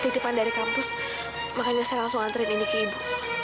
kampus makanya saya langsung anterin ini ke ibu